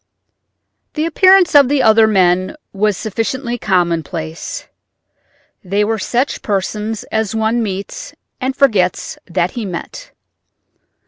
The appearance of the other men was sufficiently commonplace; they were such persons as one meets and forgets that he met.